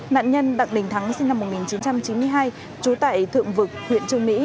nạn nhân đặng đình thắng sinh năm một nghìn chín trăm chín mươi hai trú tại thượng vực huyện trương mỹ